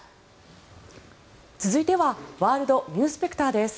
続いてはワールドニュースペクターです。